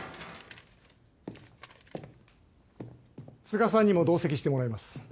・都賀さんにも同席してもらいます。